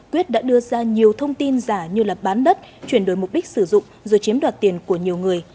quyết đã đưa ra nhiều thông tin giả như là bán đất chuyển đổi mục đích sử dụng rồi chiếm đoạt tiền của nhiều người